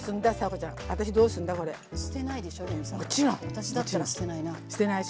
私だったら捨てないな。